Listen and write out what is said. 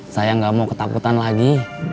saya nggak mau ketakutan lagi